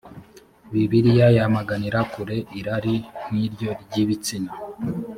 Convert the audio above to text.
bibiliya yamaganira kure irari nk iryo ry ibitsina